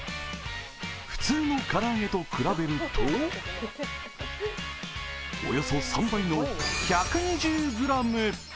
普通のから揚げと比べると、およそ３倍の１２０ｇ。